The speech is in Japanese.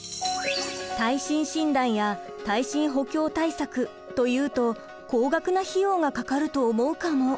耐震診断や耐震補強対策というと高額な費用がかかると思うかも。